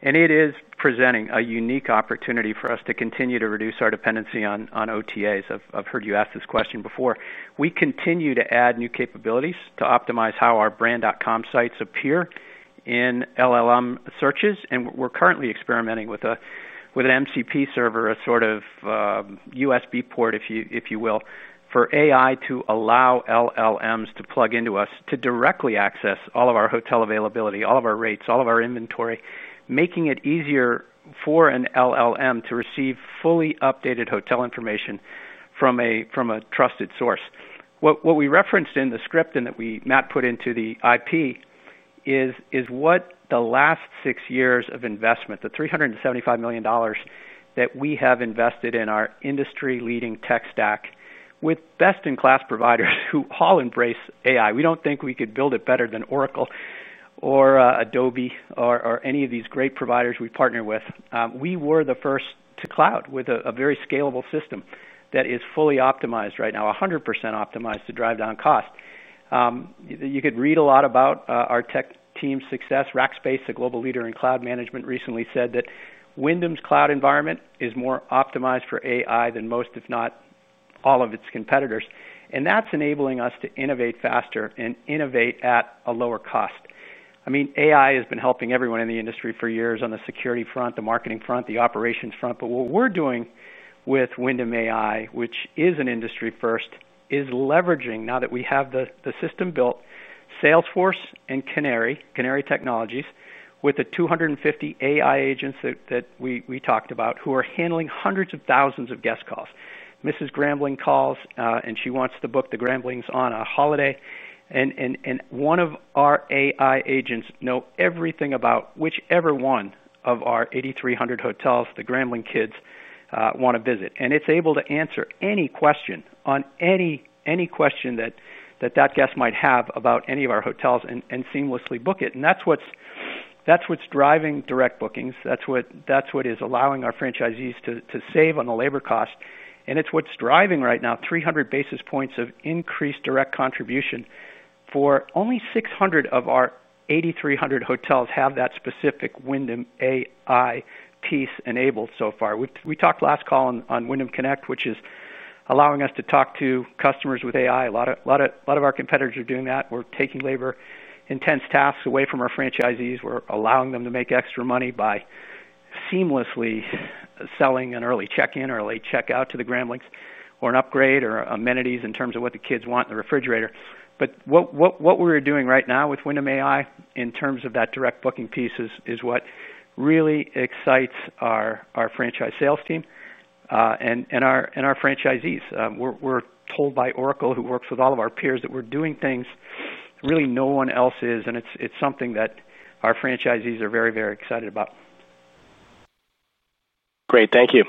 It is presenting a unique opportunity for us to continue to reduce our dependency on OTAs. I've heard you ask this question before. We continue to add new capabilities to optimize how our brand.com sites appear in LLM searches. We're currently experimenting with an MCP server, a sort of USB port, if you will, for AI to allow LLMs to plug into us to directly access all of our hotel availability, all of our rates, all of our inventory, making it easier for an LLM to receive fully updated hotel information from a trusted source. What we referenced in the script and that Matt put into the IP is what the last six years of investment, the $375 million that we have invested in our industry-leading tech stack with best-in-class providers who all embrace AI. We don't think we could build it better than Oracle or Adobe or any of these great providers we partner with. We were the first to cloud with a very scalable system that is fully optimized right now, 100% optimized to drive down cost. You could read a lot about our tech team's success. Rackspace, a global leader in cloud management, recently said that Wyndham's cloud environment is more optimized for AI than most, if not all, of its competitors. That's enabling us to innovate faster and innovate at a lower cost. I mean, AI has been helping everyone in the industry for years on the security front, the marketing front, the operations front. What we're doing with Wyndham AI, which is an industry first, is leveraging, now that we have the system built, Salesforce and Canary, Canary Technologies, with the 250 AI agents that we talked about who are handling hundreds of thousands of guest calls. Mrs. Grambling calls and she wants to book the Gramblings on a holiday. One of our AI agents knows everything about whichever one of our 8,300 hotels the Grambling kids want to visit. It's able to answer any question on any question that that guest might have about any of our hotels and seamlessly book it. That's what's driving direct bookings. That's what is allowing our franchisees to save on the labor cost. It's what's driving right now 300 basis points of increased direct contribution for only 600 of our 8,300 hotels have that specific Wyndham AI piece enabled so far. We talked last call on Wyndham Connect, which is allowing us to talk to customers with AI. A lot of our competitors are doing that. We're taking labor-intense tasks away from our franchisees. We're allowing them to make extra money by seamlessly selling an early check-in or a late check-out to the Gramblings or an upgrade or amenities in terms of what the kids want in the refrigerator. What we're doing right now with Wyndham AI in terms of that direct booking piece is what really excites our franchise sales team and our franchisees. We're told by Oracle, who works with all of our peers, that we're doing things really no one else is. It's something that our franchisees are very, very excited about. Great. Thank you.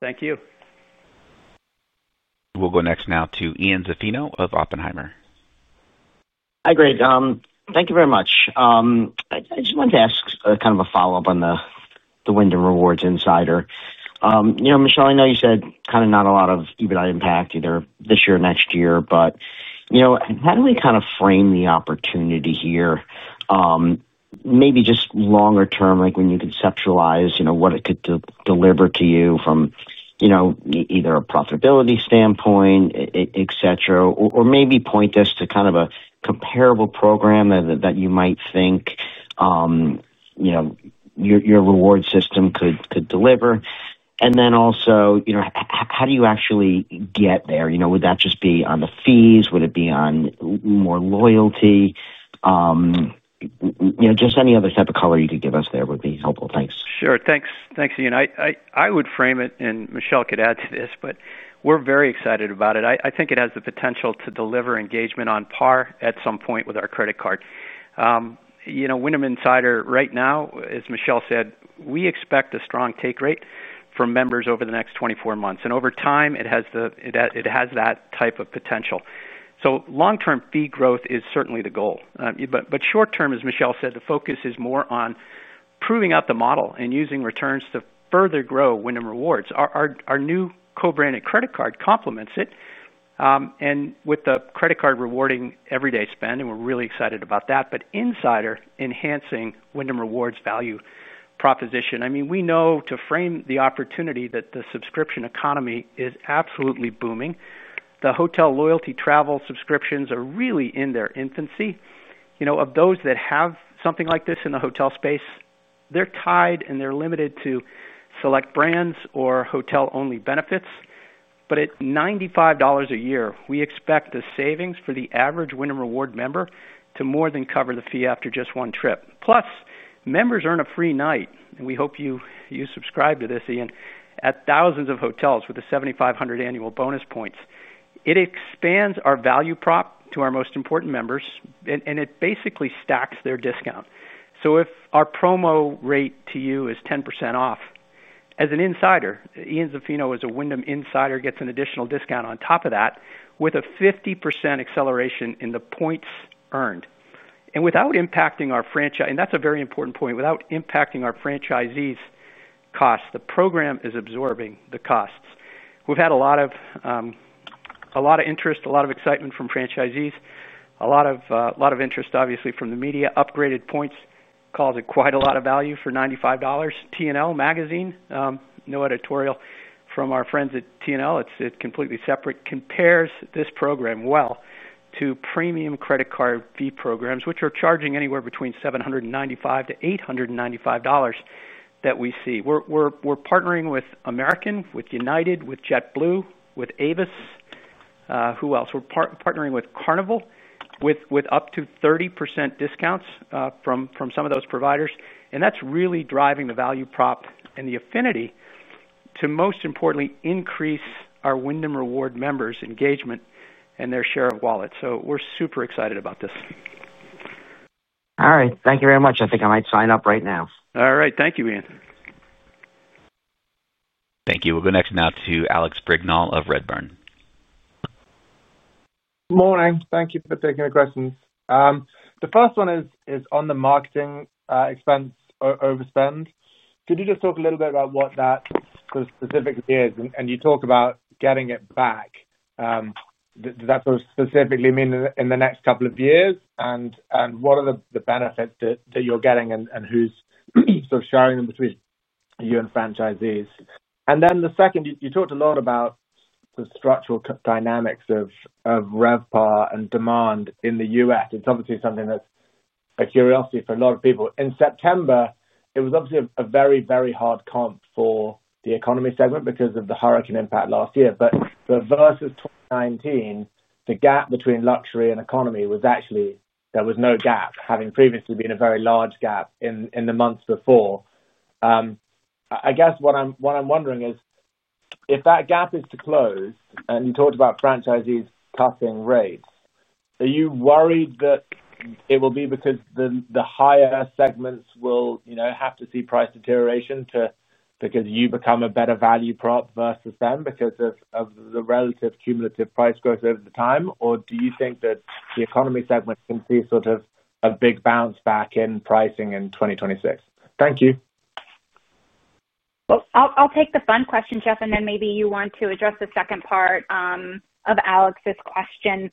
Thank you. We'll go next to Ian Zaffino of Oppenheimer. Hi, Greg. Thank you very much. I just wanted to ask kind of a follow-up on the Wyndham Rewards Insider. Michele, I know you said kind of not a lot of EBITDA impact either this year or next year, but you know how do we kind of frame the opportunity here? Maybe just longer term, like when you conceptualize what it could deliver to you from either a profitability standpoint, etc., or maybe point us to kind of a comparable program that you might think your reward system could deliver. Also, you know how do you actually get there? You know would that just be on the fees? Would it be on more loyalty? You know just any other type of color you could give us there would be helpful. Thanks. Sure. Thanks, Ian. I would frame it, and Michele could add to this, but we're very excited about it. I think it has the potential to deliver engagement on par at some point with our credit card. Wyndham Insider right now, as Michele said, we expect a strong take rate for members over the next 24 months. Over time, it has that type of potential. Long-term fee growth is certainly the goal. Short-term, as Michele said, the focus is more on proving out the model and using returns to further grow Wyndham Rewards. Our new co-branded credit card complements it. With the credit card rewarding everyday spend, we're really excited about that, but Insider enhancing Wyndham Rewards' value proposition. We know to frame the opportunity that the subscription economy is absolutely booming. The hotel loyalty travel subscriptions are really in their infancy. Of those that have something like this in the hotel space, they're tied and they're limited to select brands or hotel-only benefits. At $95 a year, we expect the savings for the average Wyndham Rewards member to more than cover the fee after just one trip. Plus, members earn a free night, and we hope you subscribe to this, Ian, at thousands of hotels with the 7,500 annual bonus points. It expands our value prop to our most important members, and it basically stacks their discount. If our promo rate to you is 10% off, as an Insider, Ian Zaffino as a Wyndham Insider gets an additional discount on top of that with a 50% acceleration in the points earned. Without impacting our franchise, and that's a very important point, without impacting our franchisees' costs, the program is absorbing the costs. We've had a lot of interest, a lot of excitement from franchisees, a lot of interest, obviously, from the media. Upgraded points cause quite a lot of value for $95. TNL Magazine, no editorial from our friends at TNL. It's completely separate. Compares this program well to premium credit card fee programs, which are charging anywhere between $795-$895 that we see. We're partnering with American, with United, with JetBlue, with Avis. Who else? We're partnering with Carnival, with up to 30% discounts from some of those providers. That's really driving the value prop and the affinity to, most importantly, increase our Wyndham Rewards members' engagement and their share of wallets. We're super excited about this. All right, thank you very much. I think I might sign up right now. All right. Thank you, Ian. Thank you. We'll go next now to Alex Brignall of Redburn. Morning. Thank you for taking the questions. The first one is on the marketing expense overspend. Could you just talk a little bit about what that specifically is? You talk about getting it back. Does that specifically mean in the next couple of years? What are the benefits that you're getting and who's sharing them between you and franchisees? The second, you talked a lot about the structural dynamics of RevPAR and demand in the U.S. It's obviously something that's a curiosity for a lot of people. In September, it was a very, very hard comp for the economy segment because of the hurricane impact last year. Versus 2019, the gap between luxury and economy was actually, there was no gap, having previously been a very large gap in the months before. I guess what I'm wondering is if that gap is to close, you talked about franchisees cutting rates, are you worried that it will be because the higher segments will have to see price deterioration because you become a better value prop versus them because of the relative cumulative price growth over the time? Do you think that the economy segment can see a big bounce back in pricing in 2026? Thank you. I'll take the fun question, Geoff, and then maybe you want to address the second part of Alex's question.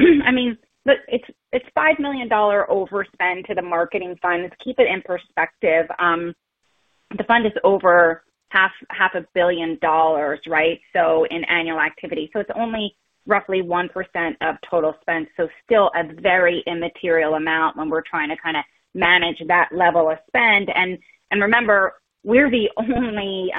I mean, it's $5 million overspend to the marketing funds. Keep it in perspective. The fund is over half a billion dollars, right? In annual activity, it's only roughly 1% of total spend. Still a very immaterial amount when we're trying to kind of manage that level of spend. Remember, we're the only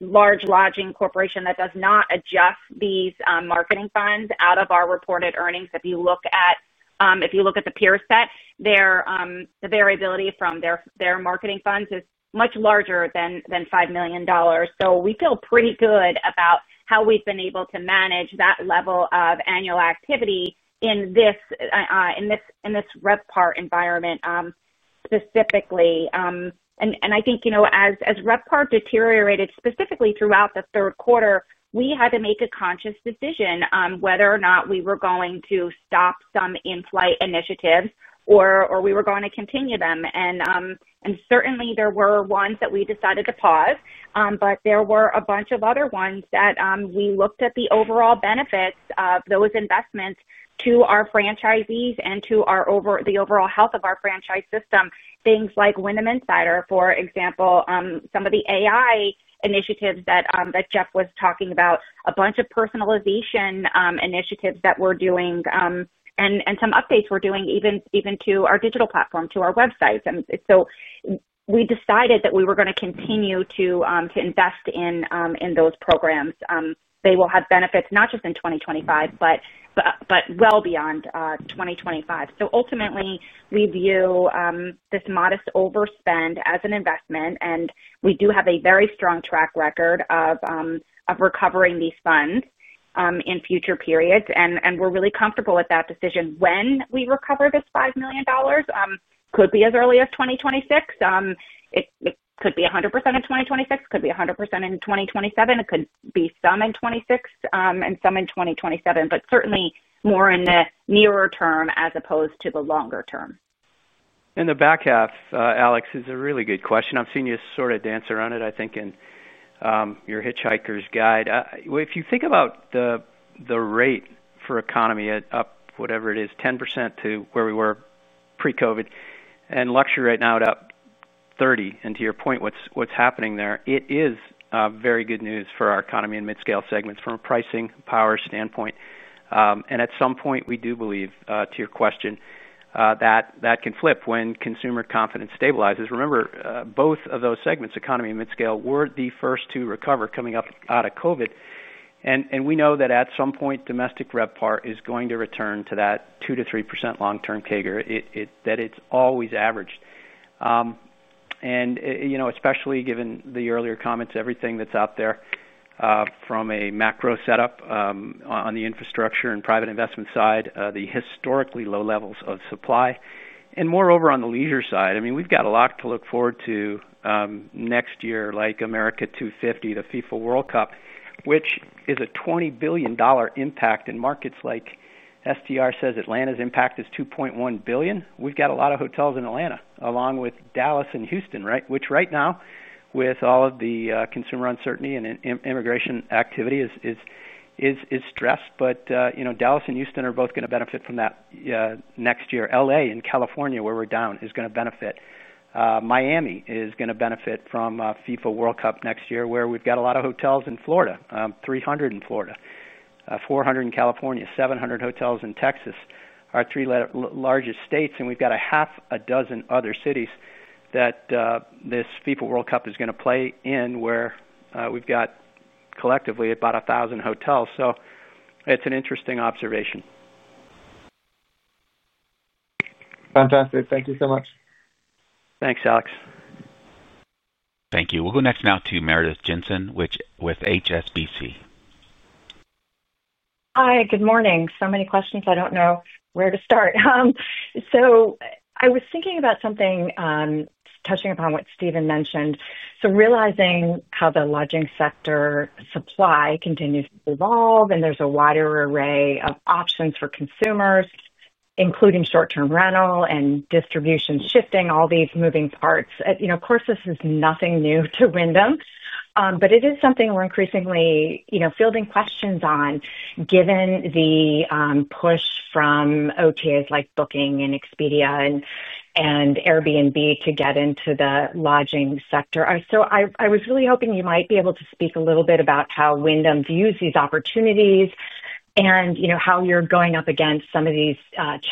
large lodging corporation that does not adjust these marketing funds out of our reported earnings. If you look at the peer set, the variability from their marketing funds is much larger than $5 million. We feel pretty good about how we've been able to manage that level of annual activity in this RevPAR environment specifically. I think, you know, as RevPAR deteriorated specifically throughout the third quarter, we had to make a conscious decision whether or not we were going to stop some in-flight initiatives or we were going to continue them. Certainly, there were ones that we decided to pause, but there were a bunch of other ones that we looked at the overall benefits of those investments to our franchisees and to the overall health of our franchise system. Things like Wyndham Rewards Insider, for example, some of the AI initiatives that Geoff was talking about, a bunch of personalization initiatives that we're doing, and some updates we're doing even to our digital platform, to our websites. We decided that we were going to continue to invest in those programs. They will have benefits not just in 2025, but well beyond 2025. Ultimately, we view this modest overspend as an investment, and we do have a very strong track record of recovering these funds in future periods. We're really comfortable with that decision. When we recover this $5 million could be as early as 2026. It could be 100% in 2026, could be 100% in 2027, it could be some in 2026, and some in 2027, but certainly more in the nearer term as opposed to the longer term. The back half, Alex, is a really good question. I've seen you sort of dance around it, I think, in your hitchhiker's guide. If you think about the rate for economy up, whatever it is, 10% to where we were pre-COVID, and luxury right now at up 30%. To your point, what's happening there, it is very good news for our economy and mid-scale segments from a pricing power standpoint. At some point, we do believe, to your question, that that can flip when consumer confidence stabilizes. Remember, both of those segments, economy and mid-scale, were the first to recover coming up out of COVID. We know that at some point, domestic RevPAR is going to return to that 2%-3% long-term CAGR that it's always averaged. Especially given the earlier comments, everything that's out there from a macro setup on the infrastructure and private investment side, the historically low levels of supply, and moreover on the leisure side. I mean, we've got a lot to look forward to next year, like America 250, the FIFA World Cup, which is a $20 billion impact in markets like STR says Atlanta's impact is $2.1 billion. We've got a lot of hotels in Atlanta, along with Dallas and Houston, right? Right now, with all of the consumer uncertainty and immigration activity, it is stressed. Dallas and Houston are both going to benefit from that next year. LA in California, where we're down, is going to benefit. Miami is going to benefit from a FIFA World Cup next year, where we've got a lot of hotels in Florida, 300 in Florida, 400 in California, 700 hotels in Texas, our three largest states. We've got a half a dozen other cities that this FIFA World Cup is going to play in, where we've got collectively about 1,000 hotels. It's an interesting observation. Fantastic. Thank you so much. Thanks, Alex. Thank you. We'll go next now to Meredith Jensen with HSBC. Hi. Good morning. So many questions, I don't know where to start. I was thinking about something touching upon what Stephen mentioned. Realizing how the lodging sector supply continues to evolve and there's a wider array of options for consumers, including short-term rental and distribution shifting, all these moving parts. Of course, this is nothing new to Wyndham, but it is something we're increasingly fielding questions on, given the push from OTAs like Booking and Expedia and Airbnb to get into the lodging sector. I was really hoping you might be able to speak a little bit about how Wyndham views these opportunities and how you're going up against some of these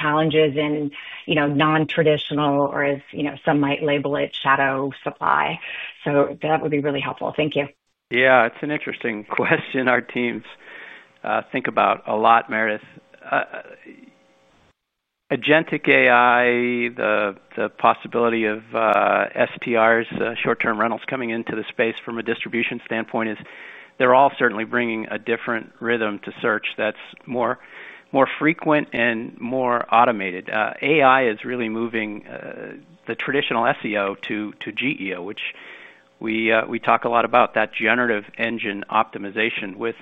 challenges in nontraditional, or as some might label it, shadow supply. That would be really helpful. Thank you. Yeah, it's an interesting question. Our teams think about it a lot, Meredith. Agentic AI, the possibility of STRs, short-term rentals coming into the space from a distribution standpoint, is they're all certainly bringing a different rhythm to search that's more frequent and more automated. AI is really moving the traditional SEO to GEO, which we talk a lot about, that generative engine optimization with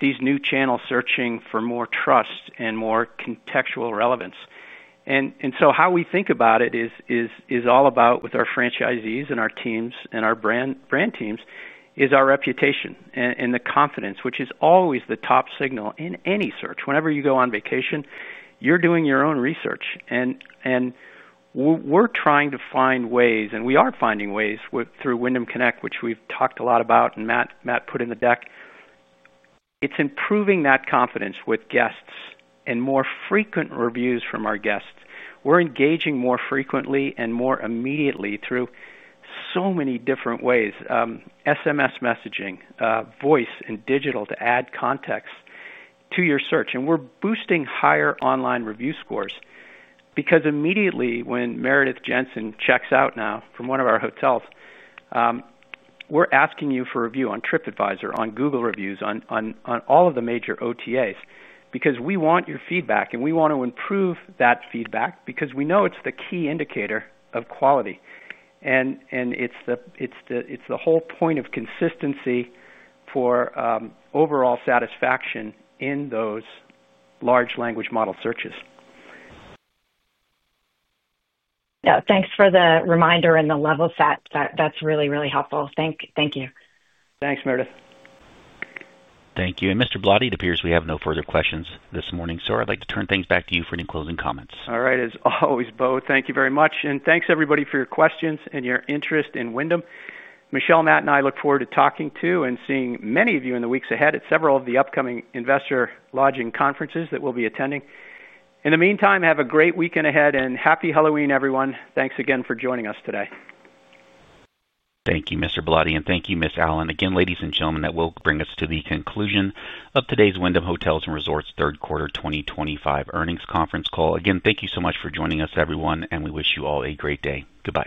these new channels searching for more trust and more contextual relevance. How we think about it is all about, with our franchisees and our teams and our brand teams, is our reputation and the confidence, which is always the top signal in any search. Whenever you go on vacation, you're doing your own research. We're trying to find ways, and we are finding ways through Wyndham Connect, which we've talked a lot about and Matt put in the deck. It's improving that confidence with guests and more frequent reviews from our guests. We're engaging more frequently and more immediately through so many different ways, SMS messaging, voice, and digital to add context to your search. We're boosting higher online review scores because immediately when Meredith Jensen checks out now from one of our hotels, we're asking you for a review on TripAdvisor, on Google Reviews, on all of the major OTAs because we want your feedback and we want to improve that feedback because we know it's the key indicator of quality. It's the whole point of consistency for overall satisfaction in those large language model searches. Yeah, thanks for the reminder and the level set. That's really, really helpful. Thank you. Thanks, Meredith. Thank you. Mr. Ballotti, it appears we have no further questions this morning. Sir, I'd like to turn things back to you for any closing comments. All right, as always, Bo, thank you very much. Thanks, everybody, for your questions and your interest in Wyndham. Michele, Matt, and I look forward to talking to and seeing many of you in the weeks ahead at several of the upcoming investor lodging conferences that we'll be attending. In the meantime, have a great weekend ahead and Happy Halloween, everyone. Thanks again for joining us today. Thank you, Mr. Ballotti, and thank you, Ms. Allen. Again, ladies and gentlemen, that will bring us to the conclusion of today's Wyndham Hotels & Resorts Third Quarter 2025 Earnings Conference Call. Again, thank you so much for joining us, everyone, and we wish you all a great day. Goodbye.